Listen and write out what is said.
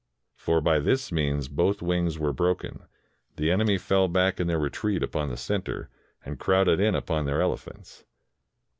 For by this means both wings being broken, the enemies fell back in their retreat upon, the center, and crowded in upon their elephants.